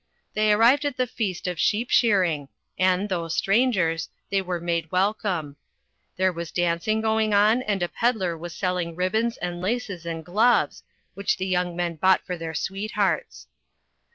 They arrived at the feast of sheep shearing, and, though strangers, they were made welcome. There was dancing going on, and a pedlar was sell ing ribbons and laces and gloves, which the young men bought for their sweethearts.